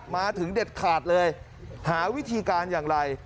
มาถึงเด็ดขาดเลยหาวิธีการอย่างไร